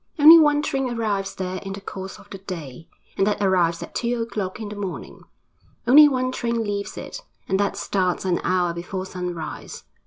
Only one train arrives there in the course of the day, and that arrives at two o'clock in the morning; only one train leaves it, and that starts an hour before sunrise.